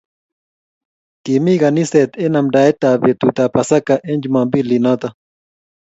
Kimii kaniset eng amndaet ab betut ab pasaka eng jumambili noto